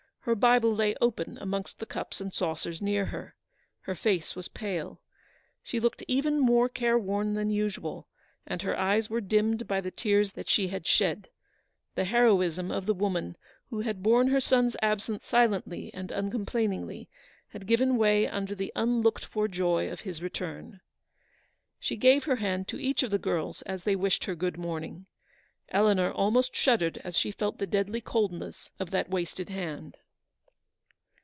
Her Bible lay open amongst the cups and saucers near her. Her face was pale. She looked even more care worn than usual; and her eyes were dimmed by the tears that she had shed. The heroism of the woman who had borne her son's absence silently and uncomplainingly, had given way under the unlooked for joy of his return. She gave her hand to each of the girls as they wished her good morning. Eleanor almost shud dered as she felt the deadly coldness of that wasted hand.